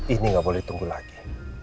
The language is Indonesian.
ini nggak boleh ditunggu lagi